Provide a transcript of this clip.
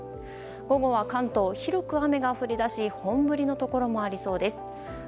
午後は関東、広く雨が降り出し本降りのところもありそうです。